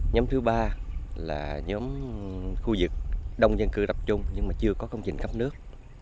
nhóm thứ ba là nhóm khu vực đông dân cư đập trung nhưng chưa có công trình cấp nước